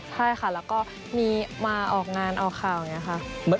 ใช่ค่ะแล้วก็มีมาออกงานออกข่าวอย่างนี้ค่ะ